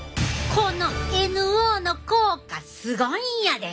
このＮＯの効果すごいんやで。